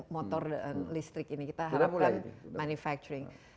motor listrik ini kita harapkan manufacturing